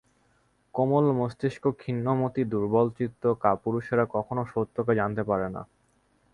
কোমলমস্তিষ্ক ক্ষীণমতি দুর্বলচিত্ত কাপুরুষেরা কখনও সত্যকে জানতে পারে না।